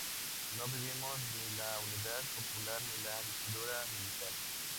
No vivimos ni la Unidad Popular ni la dictadura militar".